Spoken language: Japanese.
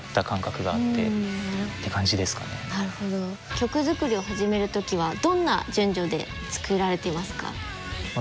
曲作りを始める時はどんな順序で作られていますか？